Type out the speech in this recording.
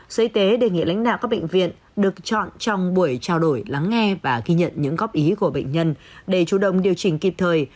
sở y tế đề nghị lãnh đạo các bệnh viện được chọn trong buổi trao đổi lắng nghe và ghi nhận những góp ý của bệnh nhân để chủ động điều chỉnh kịp thời